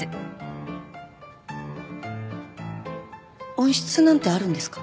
温室なんてあるんですか？